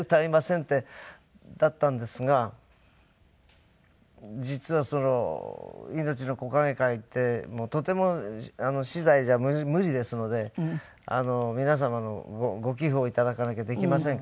だったんですが実はいのちの木陰会ってもうとても私財じゃ無理ですので皆様のご寄付をいただかなきゃできませんから。